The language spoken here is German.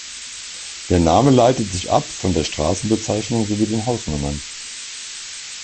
Der Name leitet sich ab von der Straßenbezeichnung sowie den Hausnummern.